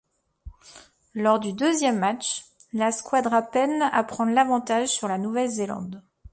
Lors du deuxième match, la Squadra peine à prendre l'avantage sur la Nouvelle-Zélande.